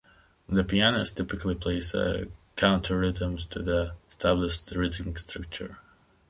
The pianist typically plays counter rhythms to the established rhythmic structure.